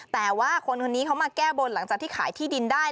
แต่ว่าคนคนนี้เขามาแก้บนหลังจากที่ขายที่ดินได้